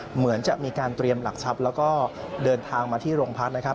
เหมือนจะมีการเตรียมหลักทรัพย์แล้วก็เดินทางมาที่โรงพักนะครับ